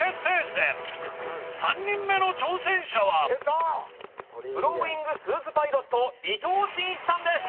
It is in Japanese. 戦３人目の挑戦者はプロウイングスーツパイロット伊藤慎一さんです